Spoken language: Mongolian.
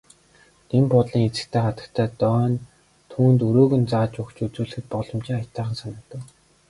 Дэн буудлын эзэгтэй хатагтай Дооне түүнд өрөөг нь зааж өгч үзүүлэхэд боломжийн аятайхан санагдав.